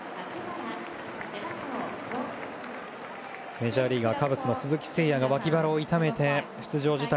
メジャーリーガーカブスの鈴木誠也が脇腹を痛めて出場辞退。